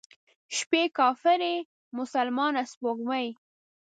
شپې کافرې، مسلمانه سپوږمۍ،